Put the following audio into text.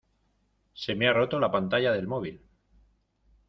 Se me ha roto la pantalla del móvil.